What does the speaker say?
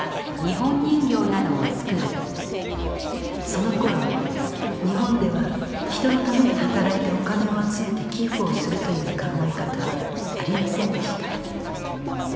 その頃日本では人のために働いてお金を集めて寄付をするという考え方はありませんでした